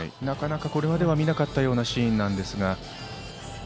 なかなかこれまでは見なかったようなシーンですが。